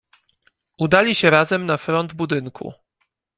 "Udali się razem na front budynku."